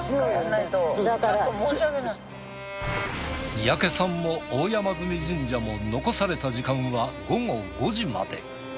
三宅さんも大山神社も残された時間は午後５時まで。